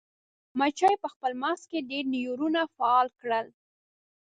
مچیو په خپل مغز کې ډیر نیورونونه فعال کړل.